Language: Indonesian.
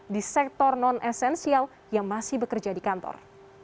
di sektor non esensial yang masih bekerja di kantor